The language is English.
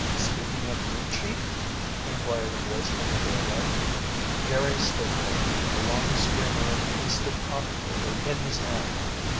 "Speaking of me, Chief?" inquired a voice from the doorway. Jerry stood there, a long streamer of pasted copy paper in his hand.